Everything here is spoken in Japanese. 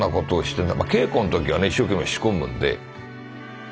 稽古の時はね一生懸命仕込むんで。